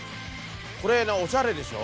これおしゃれでしょ？